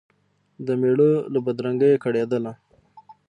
د مېړه له بدرنګیه کړېدله